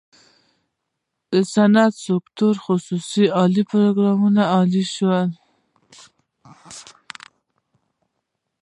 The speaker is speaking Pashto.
د صنعت په سکتور کې اقتصادي پروګرامونه عملي شول.